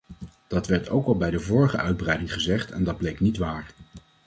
Dat werd ook al bij de vorige uitbreiding gezegd en dat bleek niet waar.